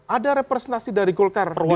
ada representasi dari golkar